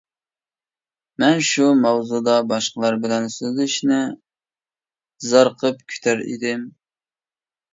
مەن شۇ ماۋزۇدا باشقىلار بىلەن سۆزلىشىشنى زارىقىپ كۈتەر ئىدىم.